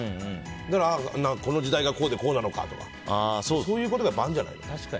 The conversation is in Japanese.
だから、この時代がこうでこうなのかとかそういうことがあるんじゃないの。